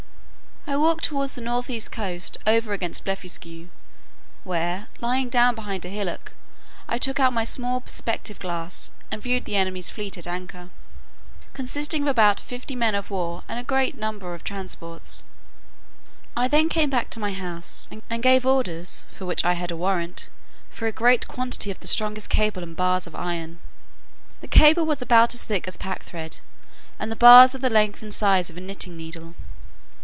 I walked towards the north east coast, over against Blefuscu, where, lying down behind a hillock, I took out my small perspective glass, and viewed the enemy's fleet at anchor, consisting of about fifty men of war, and a great number of transports: I then came back to my house, and gave orders (for which I had a warrant) for a great quantity of the strongest cable and bars of iron. The cable was about as thick as packthread and the bars of the length and size of a knitting needle.